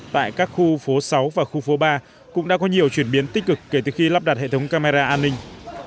tại các khu phố sáu và khu phố ba cũng đã có nhiều chuyển biến tích cực kể từ khi lắp đặt hệ thống camera an ninh